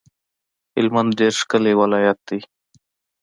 هلمند ډیر ښکلی ولایت دی